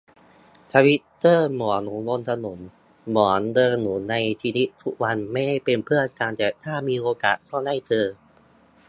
ทวิตเตอร์เหมือนอยู่บนถนน เหมือนเดินอยู่ในชีวิตทุกวัน ไม่ได้เป็นเพื่อนกัน แต่ถ้ามีโอกาสก็ได้เจอ